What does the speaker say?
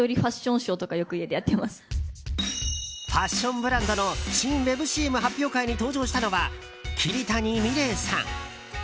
ファッションブランドの新ウェブＣＭ発表会に登場したのは、桐谷美玲さん。